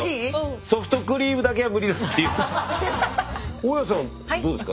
大家さんどうですか？